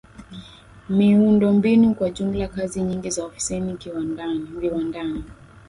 miundombinu kwa jumla Kazi nyingi za ofisini viwandani